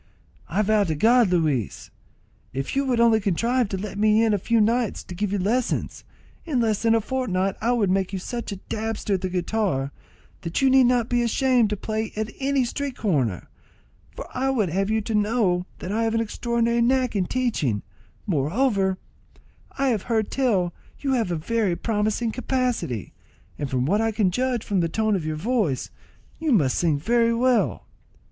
"I vow to God, Luis, if you would only contrive to let me in a few nights to give you lessons, in less than a fortnight I would make you such a dabster at the guitar, that you need not be ashamed to play at any street corner; for I would have you to know that I have an extraordinary knack in teaching; moreover, I have heard tell that you have a very promising capacity, and from what I can judge from the tone of your voice, you must sing very well."